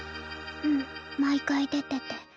うん毎回出てて。